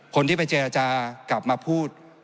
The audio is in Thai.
คนที่ไปเจรจากลับมาพูด